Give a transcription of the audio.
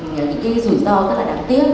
những cái rủi ro rất là đáng tiếc